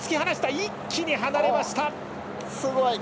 一気に離れました。